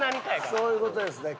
そういう事ですね。